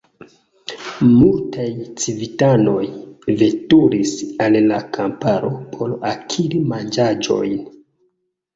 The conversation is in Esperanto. Multaj civitanoj veturis al la kamparo por akiri manĝaĵojn.